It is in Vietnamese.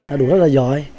a đủ rất là giỏi